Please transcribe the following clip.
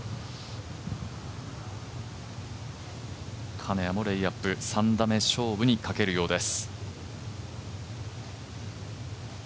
金谷もレイアップ３打目勝負にかけるようです。